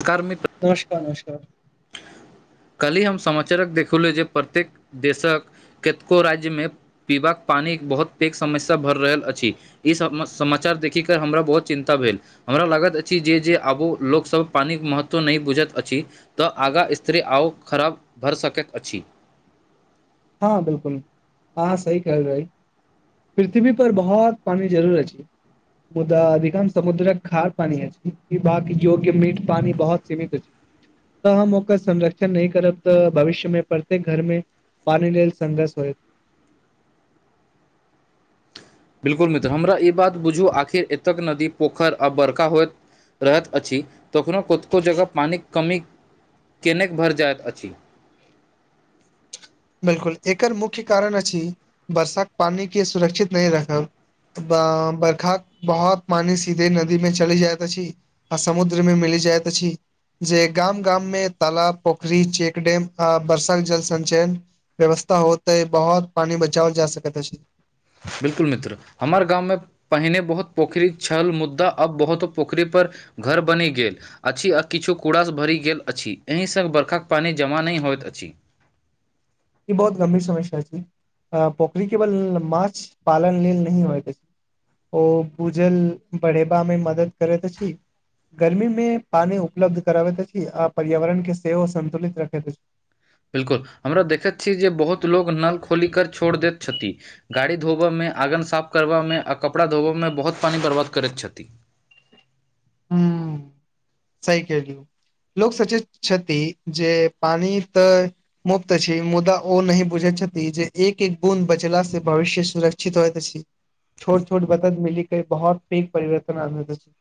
[unintelligible] नमस्कार नमस्कार काल्हि हम समाचारक देखलहु जे प्रत्येक देशक कतको राज्यमे पीबाक पानी बहुत पैघ समस्या भर रहल अछि ई सभ म समाचार देखिक हमरा बहुत चिन्ता भेल हमरा लागैत अछि जे जे आबो लोकसभ पानिक महत्व नहि बुझैत अछि तऽ आगा स् स्तर आउ खराब भऽ सकैत अछि हँ बिल्कुल आहँ सही कहल रही पृथ्वी पर बहुत पानी जरूर अछी मुदा अधिकांश समुद्रक खार पानी अछि इबाक योग्य मीठ पानी बहुत सीमित अछि तऽ हम ओकर संरक्षण नहि करब तऽ भविष्य मे प्रत्येक घर मे पानि लल संघर्ष होइत बिल्कुल मित्र हमरा ई बात बुझू आखिर एतक नदी पोखरि आ बड़का होइत रहैत अछि तखनो कतेको जगह पानिक कमी केने भरि जाइत अछि बिल्कुल एकर मुख्य कारण अछि वर्षाक पानी के सुरक्षित नहि रखब बर्खा बहुत पानी सीधे नदी में चली जायत अछी आ समुद्रमे मिली जायइत अछि जे गाम गाम मे तालाब पोखरी चेक डेम आ वर्षा के जल संचयन व्यवस्था होतै बहुत पानी बचाओल जा सकैत अछि बिल्कुल मित्र हमर गाममे पहिने बहुत पोखरि छल मुद्दा अब बहुतो पोखरि पर घर बनी गेल अछि आ किछु कूड़ासँ भरि गेल अछि एहि संग बर्खाक पानि जमा नहि होइत अछि ई बहुत गंभीर समस्या छै अ पोखरी केवल माछ पालन लेल नह होय ओ भूजल बढ़ेबा मे मदद करैत अछि गर्मी मे पानि उपलब्ध कराबैत अछि आ पर्यावरण के सेहो सन्तुलित रखैत अछि बिल्कुल हमरा देखैत छी जे बहुत लोक नल खोली कर छोड़ दैत छथि गाड़ी धोब में आँगन साफ करब मे आ कपड़ा धोब में बहुत पानी बर्बाद करैत छथि [inaudible] सहि कहली लोक सोचे छथि जे पानी तऽ मुक्त अछी मुद्दा ओ नै बुझैत छथि जे एक एक बूंद बचला से भविष्य सुरक्षित होइत अछि छोट छोट बदत मिली केँ बहुत पैघ परिवर्तन अनैत अछि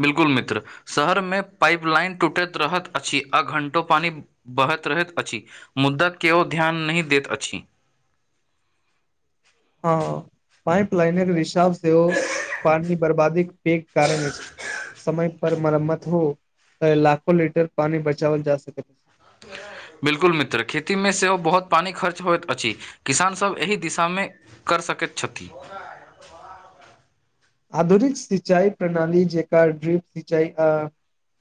बिल्कुल मित्र शहर में पाइप लाइन टूटैत रहैत अछि आ घंटो पानी बहत रहैत अछि मुद्दा केओ ध्यान नै दैत अछि हँ पाइप लाइने केँ रिषाब सेहो पानी बर्बादी केँ पैघ कारण अछि समय पर मरम्मत हो तै लाखो लीटर पानी बचावल जा सकैत बिल्कुल मित्र खेती में सेहो बहुत पानी खर्च होइत अछि किसान सभ एहि दिशा में कर सकैत छथि आधुनिक सिंचाई प्रणाली जेकर ड्रिप सिंचाई अ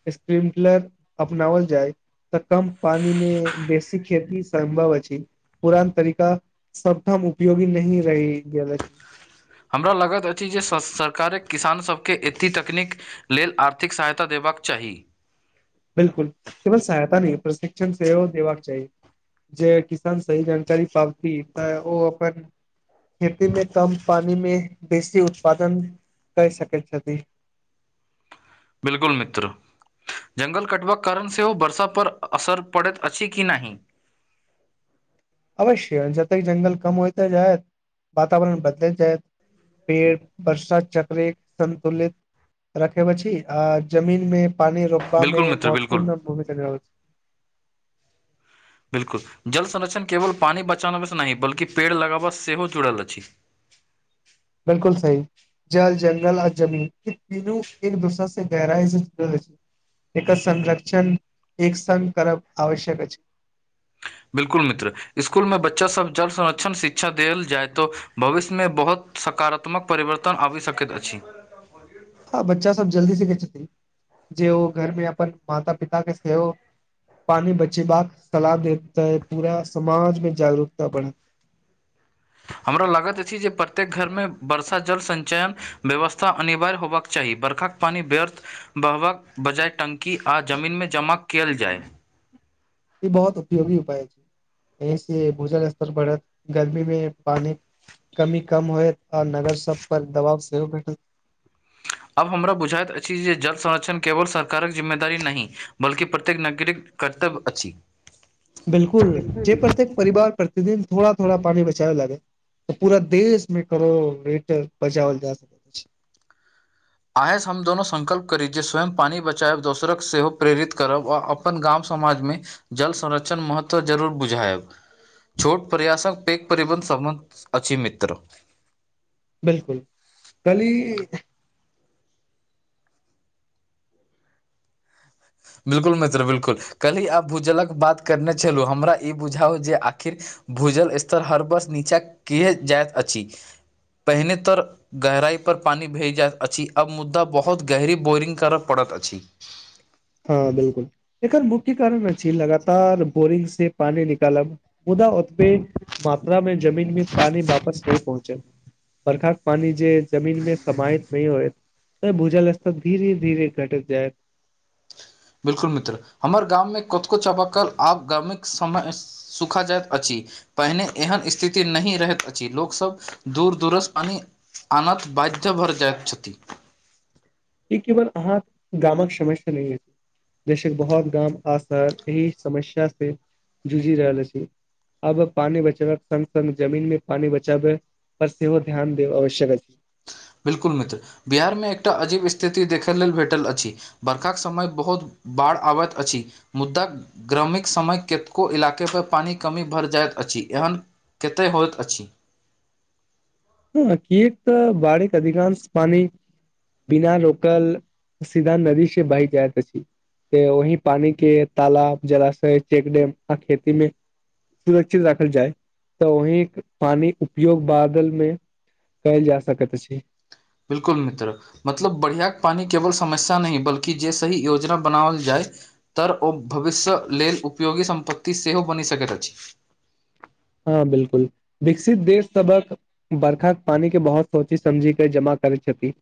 स्प्रिटलर अपनावल जाय तऽ कम पानी में बेसी खेती सम्भव अछि पुरान तरीका सब ठाम उपयोगी नहीं रहि गेल अछी हमरा लागैत अछि जे स सरकारे किसान सभ केँ एतेक तकनीक लेल आर्थिक सहायता देबाक चाही बिल्कुल केवल सहायता नहीं प्रशिक्षण सेहो देबाक चाही जे किसान सही जानकारी पाबथि तऽ ओ अपन खेती में कम पानी में बेसी उत्पादन कै सकै छथि बिल्कुल मित्र जंगल कटबाक कारण से ओ वर्षा पर असर पड़ैत अछि कि नहीं अवश्य जते जंगल कम होइते जैत वातावरण बदलैत जैत- पेड़ वर्षा चक्रे संतुलित रखैब अछी आ जमीन में पानी रोकबा बिल्कुल में मित्र बिल्कुल महत्वपूर्ण भूमिका निभाबाई छै बिल्कुल जल संरक्षण केवल पानी बचाबा स नहीं बल्कि पेड़ लगाबा सेहो जुड़ल अछि बिल्कुल सही जल जंगल आ जमीन ई तीनू एक दोसर से गहरा स जुड़ल अछी एक संरक्षण एक संग करब आवश्यक अछि बिल्कुल मित्र इसकुल में बच्चा सब जल संरक्षण शिक्षा देल जाय तो भविष्य में बहुत सकारात्मक परिवर्तन आबे सकैत अछि [unintelligible] हँ बच्चा सब जल्दी सिखै छथिन जे ओ घर में अपन माता पिता केँ सेहो पानी बचेबा कऽ सलाह देताै अ पूरा समाज में जागरूकता बढ़ हमरा लागैत अछि जे प्रत्येक घर में वर्षा जल संचयन व्यवस्था अनिवार्य होयबाक चाही बरखाक पानी व्यर्थ बहबाक बजाय टंकी आ जमीन में जमा कैल जाय ई बहुत उपयोगी उपाय एहि से भूजल स्तर बढ़त गर्मी में पानी केँ कमी कम होयत आ नगर सब पर दबाव सेहो भेटत- आब हमरा बुझैत अछि जे जल संरक्षण केवल सरकारक जिम्मेदारी नही बल्कि प्रत्येक नागरिक कर्तव्य अछि बिल्कुल जे प्रत्येक परिवार प्रतिदिन थोड़ा थोड़ा पानी बचाबै लागे तऽ पूरा देश में करोड़ लीटर बचावल जा सकत आइ से हम दुनोू संकल्प करी जे स्वयं पानी बचायब दोसरक सेहो प्रेरित करब आ अपन गाम समाज में जल संरक्षण महत्व जरूर बुझायब छोट प्रयासक पेघ परिबन्न सम्बन्ध अछि मित्र बिल्कुल कली बिल्कुल मित्र बिलकुल कल्हिी आब भूजलक बात करने छलहुँ हमरा ई बुझाउ जे आखिर भूजल स्तर हर वर्ष नीचा किए जाइत अछि पहिने तर गहराई पर पानी भेज जाइतत अछि अब मुद्दा बहुत गहरी बोरिंग करय पड़त अछि हँ बिल्कुल एकर मुख्य कारण अछि लगातार बोरिंग से पानी निकालब मुदा ओतबे मात्रा मे जमीन मे पानी वापस नहि पहुँचे बरखाक पानी जे जमीन में समात नहि होयत तऽ भूजल स्तर धीरे धीरे घटैत जायत बिल्कुल मित्र हमर गाममें कोत कोो चापाकल आब गाम समय सुखा जाइत अछि पहिने एहन स्थिति नहि रहैत अछि लोकसभ दूर दूरज अान अनत बाध्य भर जायछति ई केवल अहाँ गामक समस्या नहि अछि जेसन बहुत गाम आ शहर एहि समस्या से जूझि रहल अछि अब पानी बचावक संग संग जमीन मे पानी बचाव बस सेहो ओ ध्यान दे आवश्यक अछि बिल्कुल मित्र बिहारमे एकटा अजीब स्थिति देखै लेल भेटल अछि बर्खाक समय बहुत बाढ़ आबैत अछि मुद्दा ग्रामीक समय कतको इलाके पर पानिक कमी भर जायइत अछि एहन कतेक होइत अछि हँ कियाक तऽ बड़िक अधिकांश पानि बिना रोकल सीधा नदी से बहि जायत अछी उहेय पानी के तालब जलाशय चेक डैम अऽ खेती मे सुरक्षित राखल जाय तऽ वहिीं पानी उपयोग बादल मे कइल जा सकैत अछी बिल्कुल मित्र मतलब बढ़िआँ पानि केवल समस्या नहि बल्कि जे सही योजना बनाओल जाय तऽ ओ भविष्य लेल उपयोगी सम्पत्ति सेहो बनि सकैत अछि हँ बिल्कुल विकसित देश सबक बर्खा पानी के बहुत सोची समझी के जमा करै छथि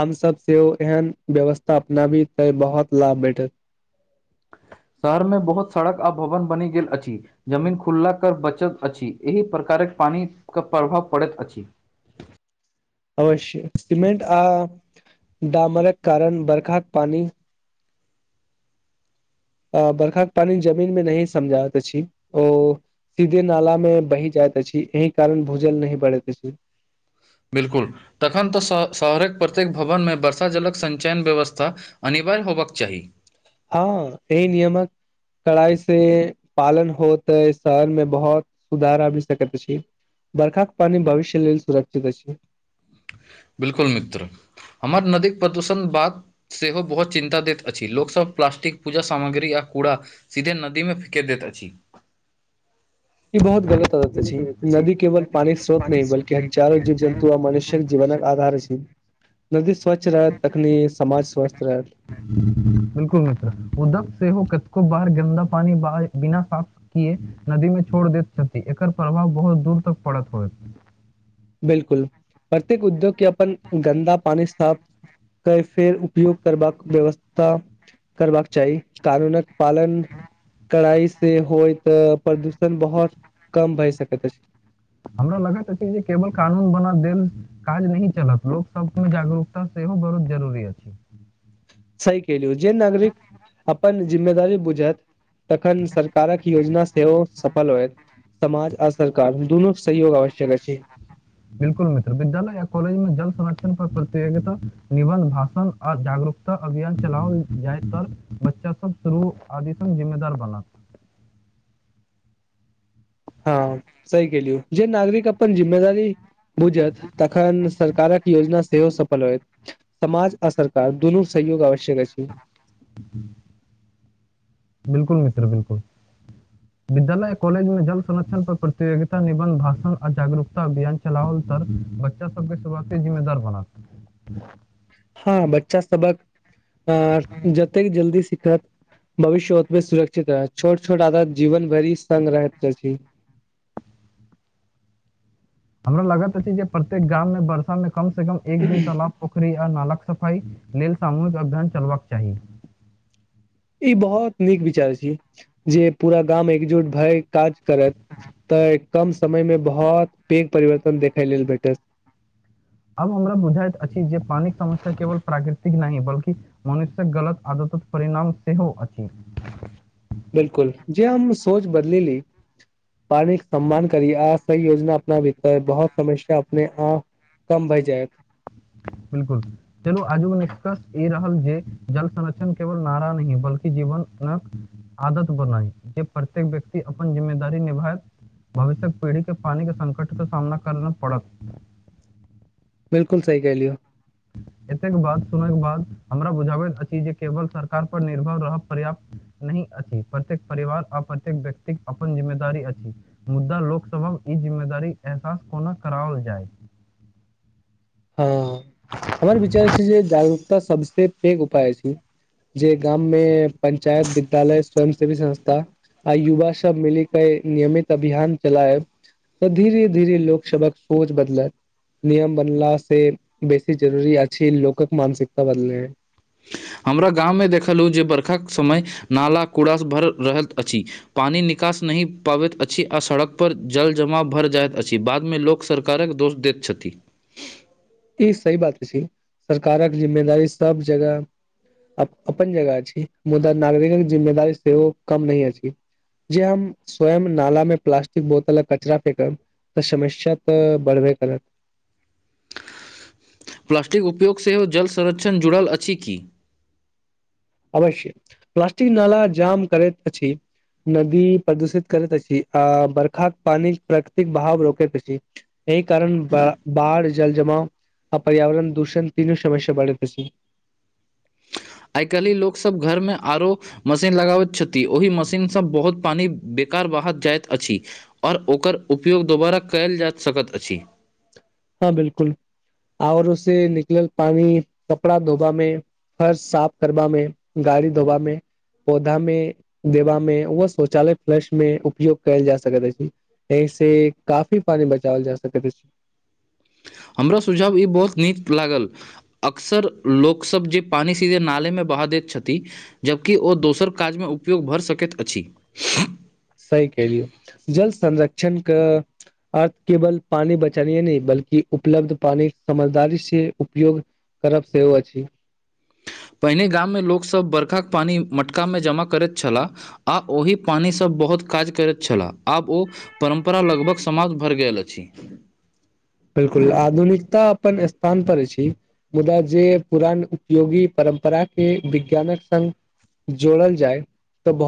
हमस सेहो एहन व्यवस्था अपनाबी ते बहुत लाभ भेटत शहर में बहुत सड़क आ भवन बनि गेल अछि जमीन खुलला कर बचत अछि एहि प्रकारक पानी के प्रभाव पड़ैत अछि अवश्य सिमेंट आ डामरक कारण बरखाक पानी अ बर्खाक के पानी जमीन मे नहि समझइत अछि ओ सीधे नाला में बहि जाइत अछि एहि कारण भूजल नही बढ़ैत अछि बिल्कुल तखन तऽ शहरक प्रत्येक भवनमे वर्षा जलक संचयन व्यवस्था अनिवार्य होबबाक चाही हँ एहि नियमक कड़ाई से पालन हो तऽै शहर में बहुत सुधार आ सकैत अछि बरखाक पान भविष्य लेल सुरक्षित अछि बिल्कुल मित्र हमर नदी प्रदूषण बाद सेहो बहुत चिन्ता दैत अछि लोकसभ प्लासटिक पूजा सामग्री आ कूड़ा सीधे नदी में फके देैत अछि ई बहुत गलत अदत अछी नदी केवल पानी कऽ स्रोत नै बल्कि हजारो जीव जन्तु आ मनुष्य जीवनक आधार अछी नदी स्वच्छ रहत तखनी समाज स्वस्थ रहत बिल्कुल मित्र मुद्दा सेहो हो कतको बर गन्दा पानी बहा बिना साफ किए नदी में छोड़ दैत छथि एकर प्रभाव बहुत दूर तक पड़त होइत बिल्कुल प्रत्येक उद्योग केँ अपन गन्दा पानी साफ कै फेर उपयोग करबाक व्यवस्था करबाक चाही कानूनक पालन कड़ाई से होइ तऽ प्रदूषण बहुत कम भए सकैत अछि हमरा लगैत अछी जे केवल कानून बना देल काज नही चलत लोक सब में जागरूकता सेहो बहुत जरूरी अछि सही केहलु जे नागरिक अपन जिम्मेदारी बुझत तखन सरकारक योजना सेहो सफल होयत समाज आ सरकार दुनू सहयोग आवश्यक अछि बिल्कुल मित्र विद्यालय या कॉलेज जल संरक्षण पर प्रतियोगिता निबन्ध भाषण आ जागरूकता अभियान चलाओल जाय तल बच्चा सब [unintelligible] सब जिम्मेदार बनत हँ सहि कहलुयौ जे नागरिक अपन जिम्मेदारी बुझत तखन सरकारक योजना सेहो सभ समाज आ सरकार दुोनू सहयोग आवश्यक अछि बिल्कुल मित्र बिल्कुल [inaudible] विद्यालय कॉलेज में जल संरक्षण पर प्रतियगिता निबन्ध भाषण आ जागरूकता अभियान चला औल तल बच्चा सब केँ शुरुआते जिम्मेदार बनत हँ बच्चा सबक आ जतेक जल्दी सिखत भविष्य ओतबे सुरक्षित रहै छोट छोट आदत जीवन भरि संग रहैत अछि हमरा लगत अछि जे प्रत्येक गाम में वर्षा मे कम से कम एक दिन तालाब पोखरि आ नाल कऽ सफाइ लेल सामूहिक अभियान चलबा कऽ चाही ई बहुत नीक विचार छी जे पूरा गाम एकजुट भै काज करत तऽ कम समय में बहुत पेघ परिवर्तन देखे लेल भेटत आब हमरा बुझाइत अछि जे पानी कऽ समस्या केवल प्राकृतिक नै बल्कि मनुष्य कऽ गलत आदतक परिणाम सेहो अछि बिल्कुल जे हम सोच बदली ली पानी कऽ सम्मान करी आ सही योजना अपनाबी तऽ बहुत समस्या अपने आप कम भै जैत बिल्कुल चलु आजुक निष्कर्ष ई रहल जे जल संरक्षण केवल नारा नहीं बल्कि जीवन आदत बनाई जे प्रत्येक व्यक्ति अपन जिम्मेदार निभायत भविष्यक पीढ़ी केँ पानी केँ संकट कऽ सामना कर न पड़त बिल्कुल सही कहैलियौ एतेक बात सुनै केँ बाद हमरा बुझाबैत अछि जे केवल सरकार पर निर्भर रहक पर्याप्त नहीं अछि प्रत्येक परिवार आ प्रत्येक व्यक्तिक अपन जिम्मेदारी अछि मुद्दा लोकसभहक ई जिम्मेदारी एहसास कोना कराओल जाय हँ हमर विचार छै जे जागरूकता सबसे पेघ उपाय अछी जे गाम में पंचायत विद्यालय स्वयं सेवी संस्था आ युवा सब मिली केँ नियमित अभियान चलायब तऽ धीरे धीरे लोक सबहक सोच बदलत नियम बनलास से बेसी जरूरी अच्छी लोकक मानसिकता बदले हमरा गाममे देखलहुँ जे बरखाक समय नाला कूड़ासऽ भरल रहत अछि पानि निकास नहि पाबैत अछि आ सड़क पर जल जमा भर जाइत अछि बादमे लोक सरकारक दोष देत छथि ई सही बात अछि सरकारक जिम्मेदारी सब जगह अ अप्पन जगह अछि मुदा नागरिकक जिम्मेदारी सेहो कम नही अछि जे हम स्वयं नाला में प्लास्टिक बोतल आ कचरा फेेकब तऽ समस्या तऽ बढ़बे करत प्लास्टिक उपयोग सेहो जल संरक्षण जुड़ल अछि की अवश्य प्लास्टिक नाला जाम करैत अछि नदी प्रदूषित करैत अछि आ बरखाक पानी प्राकृतिक भाव रोकैत अछि एहि कारण ब बाढ़ जल जमाव आ पर्यावरण दूषण तीनू समस्या बढ़ैत अछि आइ काल्हि लोकसब घरमे आरो मशीन लगाबैत छथि ओहि मशीनसँ बहुत पानी बेकार बहात जाइत अछि ओर ओकर उपयोग दोबारा कयल जाइत सकत अछि हँ बिल्कुल आरो से निकलल पानी कपड़ा धोबा मे फर्श साफ करबा में गाड़ी धोबा मे पोधा में देबा में व शौचालय फलश मे उपयोग कयल जा सकत अछि एहि से काफी पानी बचाओल जा सकैत अछि हमरो सुझाव ई बहुत नीक लागल अक्सर लोकसब जे पानि सीधे नालेमे बहा दैत छथि जबकि ओ दोसर काजमे उपयोग भऽ सकैत अछि सही केलियै जल संरक्षण कऽ आ केवल पानि बचानीय नय बल्कि उपलब्ध पानी समझदारी से उपयोग करब सेहो अछि पहिने गाममे लोकसभ बरखाक पानि मटकामे जमा करैत छलाह आ ओहि पानीसँ बहुत काज करैत छलाह आब ओ परम्परा लगभग समाप्त भर गेल अछि बिल्कुल आधुनिकता अप्पन स्थान पर अछि मुदा जे पुरान उपयोगी परम्परा के विज्ञानक संग जोड़ल जाय तऽ बहु